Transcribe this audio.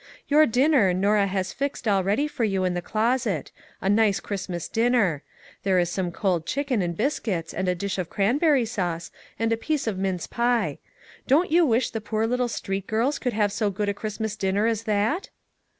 Your dinner, Norah has fixed all ready for you in the closet; a nice Christmas dinner. There is some cold chicken, and biscuits, and a dish of cranberry sauce, and a piece of mince pie. Don't you wish the poor little street girls could have so good a Christmas dinner as that